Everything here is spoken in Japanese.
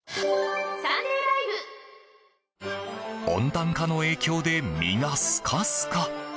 温暖化の影響で身がスカスカ。